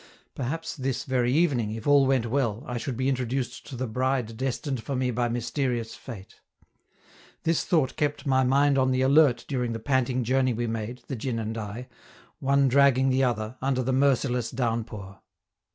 Perhaps this very evening, if all went well, I should be introduced to the bride destined for me by mysterious fate. This thought kept my mind on the alert during the panting journey we made, the djin and I, one dragging the other, under the merciless downpour.